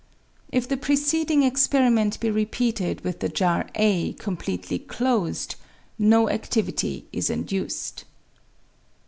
If the preceding experiment be repeated with the jar, a, completely closed, no adivity is induced.